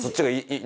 何？